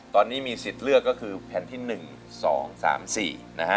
ตอนนี้มีสิทธิ์เลือกก็คือแผ่นที่๑๒๓๔นะฮะ